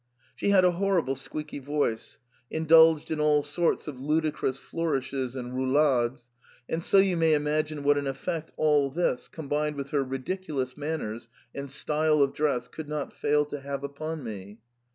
She had a horrible squeaky voice, indulged in all sorts of ludicrous flourishes and rou lades, and so you may imagine what an effect all this, combined with her ridiculous manners and style of dress, could not fail to have upon me.